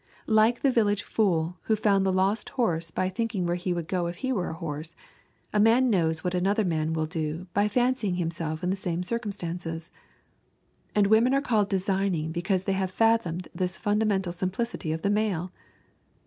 Like the village fool who found the lost horse by thinking where he would go if he were a horse, a man knows what another man will do by fancying himself in the same circumstances. And women are called designing because they have fathomed this fundamental simplicity of the male!